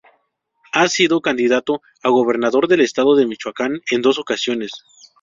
Ha sido candidato a gobernador del Estado de Michoacán en dos ocasiones.